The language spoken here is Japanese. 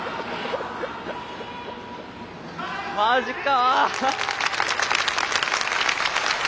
マジか。